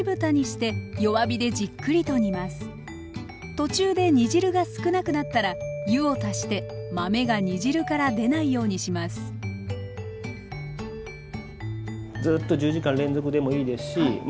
途中で煮汁が少なくなったら湯を足して豆が煮汁から出ないようにしますずっと１０時間連続でもいいですしま